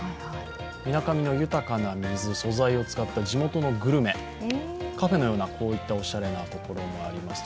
みなかみの豊かな水、素材を使った地元のグルメ、カフェのようなこういったおしゃれなところもあります。